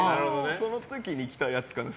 その時に着たやつかな。